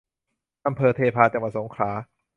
อำเภอเทพา จังหวัดสงขลา